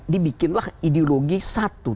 dibikinlah ideologi satu